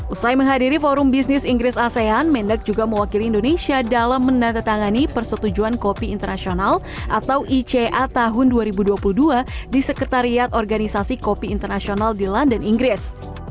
usai menghadiri forum bisnis inggris asean mendak juga mewakili indonesia dalam menandatangani persetujuan kopi internasional atau ica tahun dua ribu dua puluh dua di sekretariat organisasi kopi internasional di london inggris